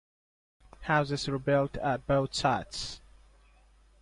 Houses were built at both sites.